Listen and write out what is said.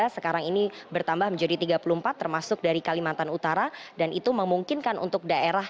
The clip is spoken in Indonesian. sekarang ini bertambah menjadi tiga puluh empat termasuk dari kalimantan utara dan itu memungkinkan untuk daerah